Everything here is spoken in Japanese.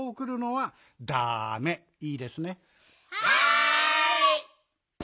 はい！